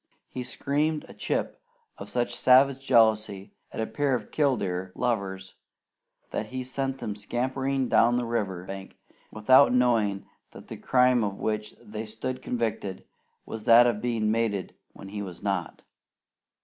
He screamed a "Chip" of such savage jealousy at a pair of killdeer lovers that he sent them scampering down the river bank without knowing that the crime of which they stood convicted was that of being mated when he was not.